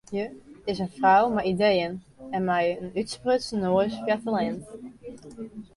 Hja is in frou mei ideeën en mei in útsprutsen noas foar talint.